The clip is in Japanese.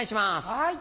はい！